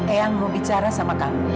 ayah mau bicara sama kamilah